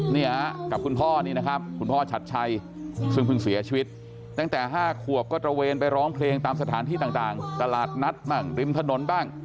เนี่ยกับคุณพ่อนี่นะครับคุณพ่อชัดชัยซึ่งเพิ่งเสียชีวิตตั้งแต่๕ขวบก็ตระเวนไปร้องเพลงตามสถานที่ต่างตลาดนัดบ้างริมถนนบ้าง